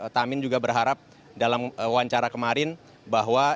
tamin juga berharap dalam wawancara kemarin bahwa